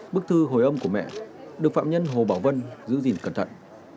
bức thư hồi ông của mẹ được phạm nhân hồ bảo vân giữ gìn cẩn thận